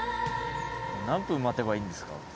何分待てばいいんですか？